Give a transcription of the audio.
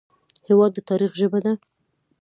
هېواد د تاریخ ژبه ده.